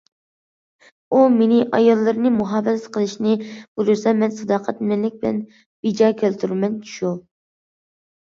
ئۇ مېنى ئاياللىرىنى مۇھاپىزەت قىلىشنى بۇيرۇسا مەن ساداقەتمەنلىك بىلەن بېجا كەلتۈرىمەن، شۇ.